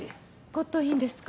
骨董品ですか。